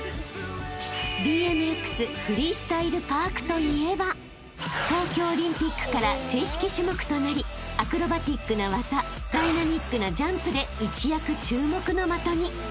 ［といえば東京オリンピックから正式種目となりアクロバティックな技ダイナミックなジャンプで一躍注目の的に］